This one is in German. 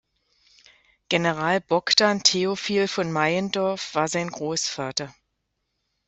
General Bogdan Theophil von Meyendorff war sein Großvater.